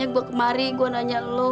ibu tuh tekunnya